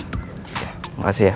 terima kasih ya